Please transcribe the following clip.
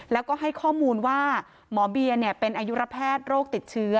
แล้วก็ให้ข้อมูลว่าหมอเบียเป็นอายุระแพทย์โรคติดเชื้อ